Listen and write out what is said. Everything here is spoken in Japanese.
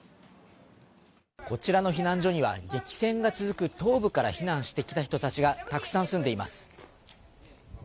こちらの避難所には激戦が続く東部から避難してきた人たちがたくさん住んでいます。